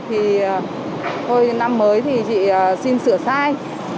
thì thôi năm mới thì chị xin sửa sai